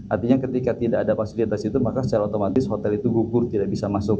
artinya ketika tidak ada fasilitas itu maka secara otomatis hotel itu gugur tidak bisa masuk